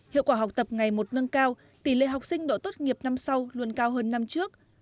hiệu quả học tập ngày một nâng cao tỷ lệ học sinh độ tốt nghiệp năm sau luôn cao hơn năm trước